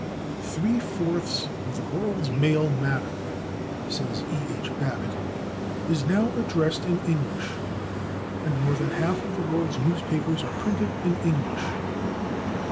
"Three fourths of the world's mail matter," says E. H. Babbitt, "is now addressed in English," and "more than half of the world's newspapers are printed in English."